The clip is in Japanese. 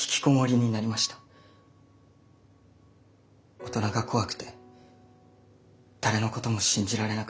大人が怖くて誰のことも信じられなくなって。